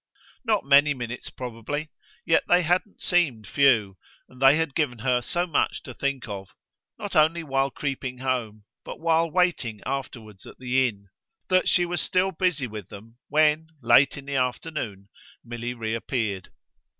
Not many minutes probably, yet they hadn't seemed few, and they had given her so much to think of, not only while creeping home, but while waiting afterwards at the inn, that she was still busy with them when, late in the afternoon, Milly reappeared.